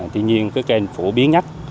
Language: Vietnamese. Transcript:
tuy nhiên cái kênh phổ biến nhất